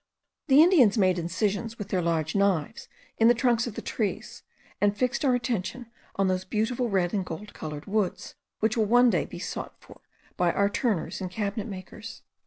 The Indians made incisions with their large knives in the trunks of the trees, and fixed our attention on those beautiful red and gold coloured woods, which will one day be sought for by our turners and cabinet makers.